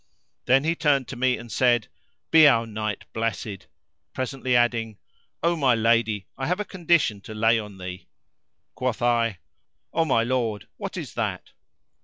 Then he turned to me and said, "Be our night blessed," presently adding, "O my lady, I have a condition to lay on thee." Quoth I, "O my lord, what is that?"